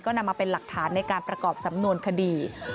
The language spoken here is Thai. นำมาเป็นหลักฐานในการประกอบสำนวนคดี